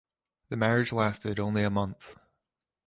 The marriage lasted only a month.